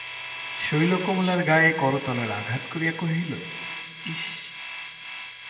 শৈল কমলার গালে করতলের আঘাত করিয়া কহিল, ইস!